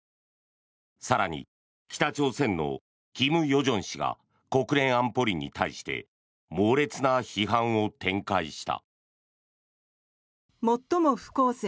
更に、北朝鮮の金与正氏が国連安保理に対して猛烈な批判を展開した。